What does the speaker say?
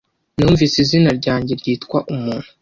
Numvise izina ryanjye ryitwa umuntu.